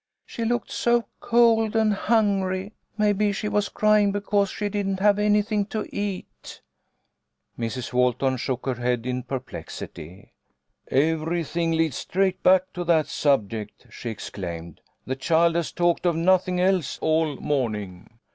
" She looked so cold and hungry. Maybe she was crying because she didn't have anything to eat." Mrs. Walton shook her head in perplexity. " Every thing leads straight back to that subject," she ex claimed. " The child has talked of nothing else all morning.